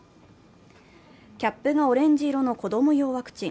キャップがオレンジ色の子ども用ワクチン。